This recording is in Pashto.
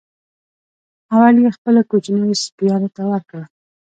اول یې خپلو کوچنیو سپیانو ته ورکړه.